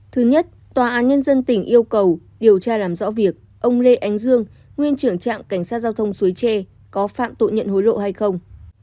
thứ nhất tòa án nhân dân tỉnh yêu cầu điều tra làm rõ việc ông lê ánh dương nguyên trưởng trạm cảnh sát giao thông suối tre có phạm tội nhận hối lộ hay không